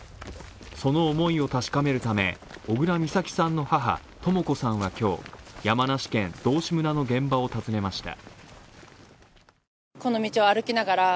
その思いを確かめるため、小倉美咲さんの母・とも子さんは今日山梨県道志村の現場を訪ねました。